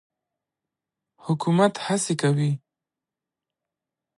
حکومت هڅې کوي.